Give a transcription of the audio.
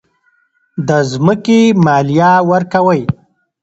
د ځمکې مالیه ورکوئ؟